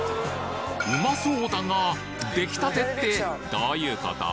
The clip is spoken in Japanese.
うまそうだができたてってどういうこと？